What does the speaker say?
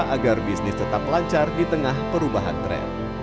agar bisnis tetap lancar di tengah perubahan tren